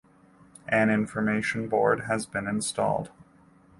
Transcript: An information board has been installed.